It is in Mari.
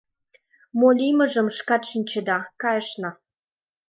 Мо лиймыжым шкат шинчеда — кайышна.